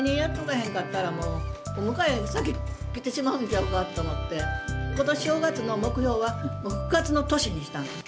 へんかったら、もうお迎え、先来てしまうんちゃうかと思って、ことし正月の目標は、復活の年にしたんです。